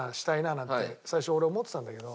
なんて最初は俺思ってたんだけど。